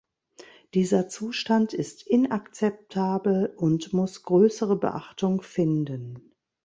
Dieser Zustand ist inakzeptabel und muss größere Beachtung finden.